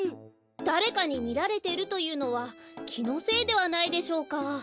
だれかにみられてるというのはきのせいではないでしょうか？